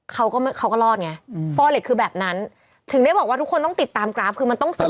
เขาก็เขาก็รอดไงอืมฟ่อเหล็กคือแบบนั้นถึงได้บอกว่าทุกคนต้องติดตามกราฟคือมันต้องศึก